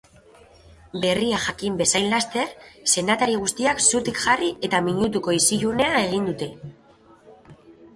Berria jakin bezain laster senatari guztiak zutik jarri eta minutuko isilunea egin dute.